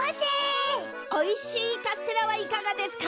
おいしいカステラはいかがですか？